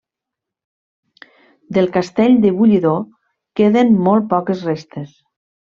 Del castell de Bullidor queden molt poques restes.